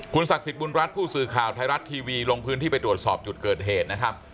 ศักดิ์สิทธิบุญรัฐผู้สื่อข่าวไทยรัฐทีวีลงพื้นที่ไปตรวจสอบจุดเกิดเหตุนะครับ